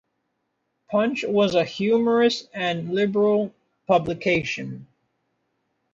"Punch" was a humorous and liberal publication.